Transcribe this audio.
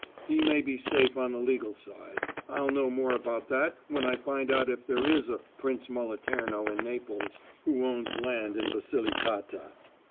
He may be safe on the legal side. I'll know more about that when I find out if there is a Prince Moliterno in Naples who owns land in Basilicata."